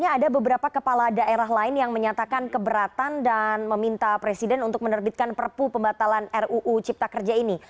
ada beberapa kepala daerah lain yang menyatakan keberatan dan meminta presiden untuk menerbitkan perpu pembatalan ruu cipta kerja ini